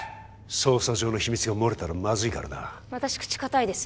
捜査上の秘密が漏れたらマズいからな私口堅いです